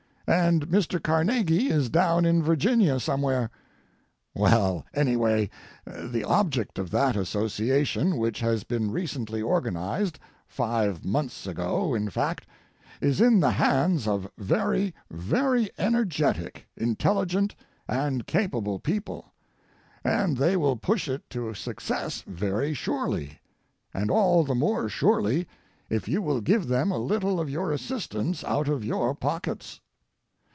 And Mr. Carnegie is down in Virginia somewhere. Well, anyway, the object of that association which has been recently organized, five months ago, in fact, is in the hands of very, very energetic, intelligent, and capable people, and they will push it to success very surely, and all the more surely if you will give them a little of your assistance out of your pockets.